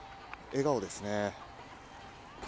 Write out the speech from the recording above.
笑顔ですね。